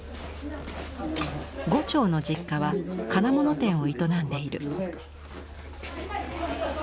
牛腸の実家は金物店を営んでいる。